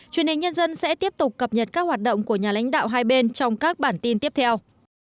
truyền hình nhân dân sẽ tiếp tục cập nhật các hoạt động của nhà lãnh đạo hai bên trong các bản tin tiếp theo